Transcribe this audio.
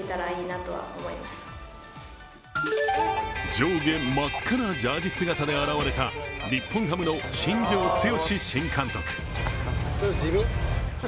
上下待ったなジャージー姿で現れた日本ハムの新庄剛志新監督。